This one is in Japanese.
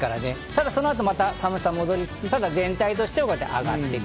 そのあと、また寒さ戻りつつ、全体としては上がっていく。